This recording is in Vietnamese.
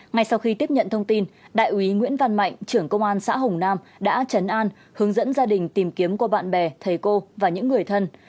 ngay sau khi tiếp nhận thông tin đại úy nguyễn văn mạnh trưởng công an xã hồng nam đã chấn an hướng dẫn gia đình tìm kiếm qua bạn bè thầy cô và những người thân